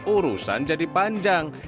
urusan jadi panjang